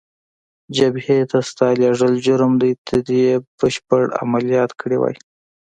جبهې ته ستا لېږل جرم دی، ته دې یې بشپړ عملیات کړی وای.